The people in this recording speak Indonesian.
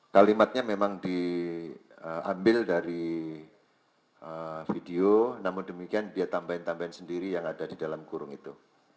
kalimatnya memang diambil dari video namun demikian dia tambahin tambahan sendiri yang ada di dalam kurung itu